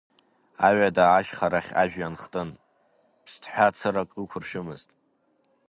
Аҩада ашьхарахь ажәҩан хтын, ԥсҭҳәа цырак ықәыршәымызт.